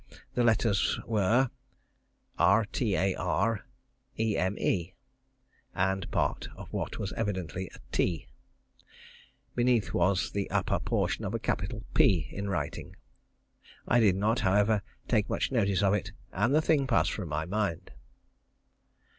The letters were ... RTAR EME ... and part of what was evidently a T. Beneath was the upper portion of a capital P in writing. I did not, however, take much notice of it, and the thing passed from my mind.